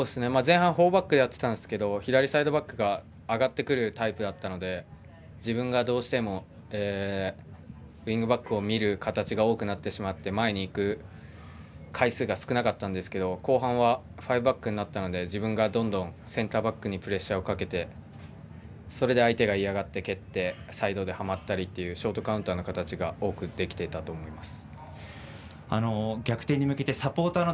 前半はフォーバックだったんですけど左サイドバックが上がってくるタイプだったので自分がウイングバックを見ていて前に行く回数が少なかったんですが後半ファイブバックになったので自分がセンターバックにどんどんプレッシャーをかけてそれで相手が嫌がって、蹴ってサイドではまるショートカウンターの形が多くできていたと思います。